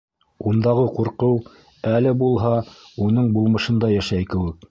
Ундағы ҡурҡыу әле булһа уның булмышында йәшәй кеүек.